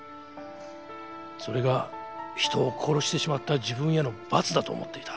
それが人を殺してしまった自分への罰だと思っていた。